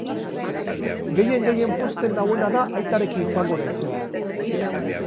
Gehien-gehien pozten nauena da aitarekin joango naizela.